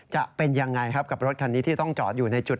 จะเป็นยังไงครับกับรถคันนี้ที่ต้องจอดอยู่ในจุด